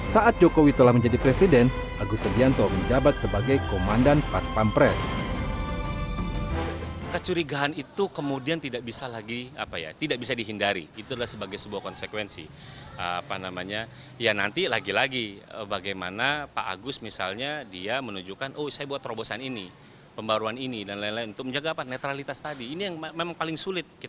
saat jokowi telah menjadi presiden agus subianto menjabat sebagai komandan paspampres